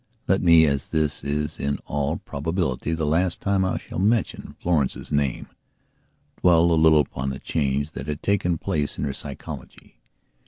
Let me, as this is in all probability the last time I shall mention Florence's name, dwell a little upon the change that had taken place in her psychology.